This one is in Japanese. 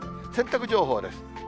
洗濯情報です。